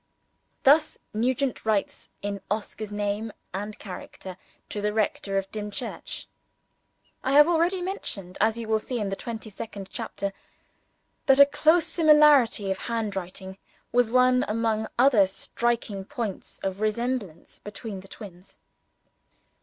Thus Nugent writes, in Oscar's name and character, to the rector of Dimchurch. (I have already mentioned, as you will see in the twenty second chapter, that a close similarity of handwriting was one among the other striking points of resemblance between the twins.)